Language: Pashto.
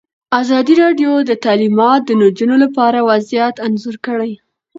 ازادي راډیو د تعلیمات د نجونو لپاره وضعیت انځور کړی.